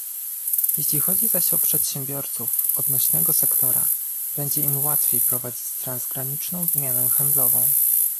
Jeśli chodzi zaś o przedsiębiorców odnośnego sektora, będzie im łatwiej prowadzić transgraniczną wymianę handlową